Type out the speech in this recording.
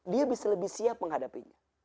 dia bisa lebih siap menghadapinya